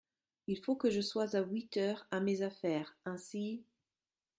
Il faut que je sois à huit heures à mes affaires, ainsi…